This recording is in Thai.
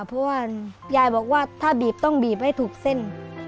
เพราะว่ายายบอกว่าถ้าบีบต้องบีบให้ถูกเส้น